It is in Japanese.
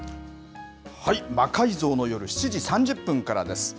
魔改造の夜７時３０分からです。